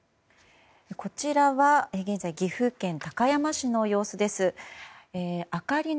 こちらは現在岐阜県高山市の様子です。